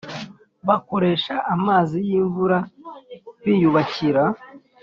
Bakoresha amazi y imvura biyubakira